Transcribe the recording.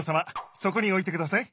そこに置いてください。